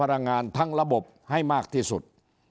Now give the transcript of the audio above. รายงานทั้งระบบให้มากที่สุด